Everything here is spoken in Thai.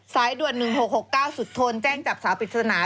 สายด่วน๑๖๖๙สุดทนแจ้งจับสาวปริศนา